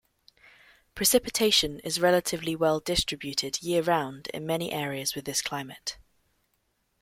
Precipitation is relatively well distributed year-round in many areas with this climate.